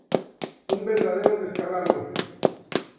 Un verdadero descalabro.